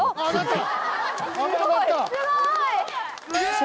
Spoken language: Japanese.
すごい！